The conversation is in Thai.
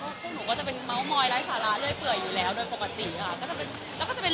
ต้อนรักพี่นกก็ใจดีมากแล้วก็พูดมาให้เฟิร์นรู้สึกว่าอ่อจังเลยมันอบอุ่นน่ะ